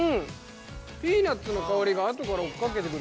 ピーナツの香りがあとから追っかけてくる。